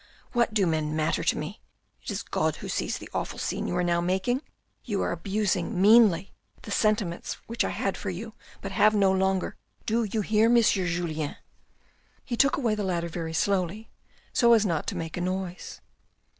" What do men matter to me ! It is God who sees the awful scene you are now making. You are abusing meanly the sentiments which I had for you but have no longer. Do you hear, Monsieur Julien ?'' He took away the ladder very slowly so as not to make a noise.